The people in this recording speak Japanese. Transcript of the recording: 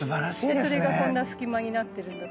でそれがこんな隙間になってるんだと。